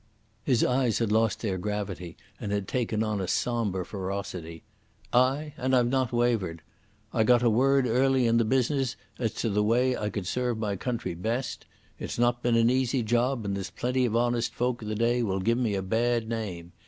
'" His eyes had lost their gravity and had taken on a sombre ferocity. "Ay, and I've not wavered. I got a word early in the business as to the way I could serve my country best. It's not been an easy job, and there's plenty of honest folk the day will give me a bad name.